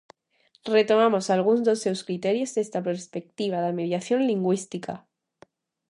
Retomamos algúns dos seus criterios desde a perspectiva da mediación lingüística.